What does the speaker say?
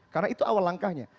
karena itu awal langkahnya